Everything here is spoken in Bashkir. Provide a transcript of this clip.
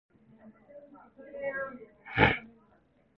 Бына һуң ҡарт тикшереү эшенең бөгөнгә туҡталыуын хәбәр итте: